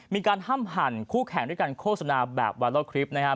มีการห้ามหั่นคู่แข่งด้วยการโฆษณาแบบไวรัลคลิปนะครับ